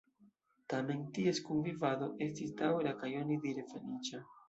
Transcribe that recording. Tamen ties kunvivado estis daŭra kaj onidire feliĉa.